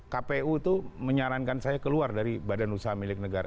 kpu itu menyarankan saya keluar dari badan usaha milik negara